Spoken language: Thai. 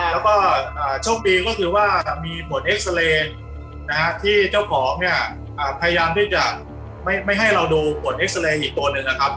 แล้วก็โชคดีก็คือว่ามีผลเอ็กซาเรย์ที่เจ้าของเนี่ยพยายามที่จะไม่ให้เราดูผลเอ็กซาเรย์อีกตัวหนึ่งนะครับ